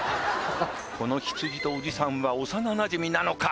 この羊とおじさんは幼なじみなのか？